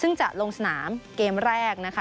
ซึ่งจะลงสนามเกมแรกนะคะ